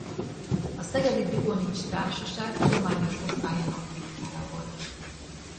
A szegedi Dugonics Társaság tudományos osztályának titkára volt.